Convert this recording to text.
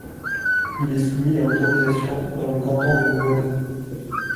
Il est soumis à autorisation dans le canton de Vaud.